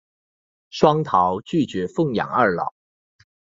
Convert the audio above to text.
双桃拒绝奉养二老。